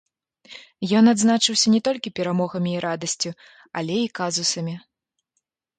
Ён адзначыўся не толькі перамогамі і радасцю, але і казусамі.